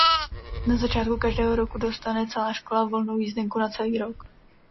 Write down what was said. Na začátku každého roku dostane celá škola volnou jízdenku na celý rok.